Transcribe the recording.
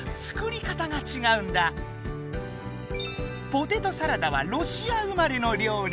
ポテトサラダはロシア生まれのりょう理。